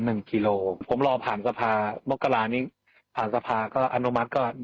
หนึ่งกิโลกรัมผมรอผ่านสภาโมกรานิผ่านสภาก็อนุมัติก็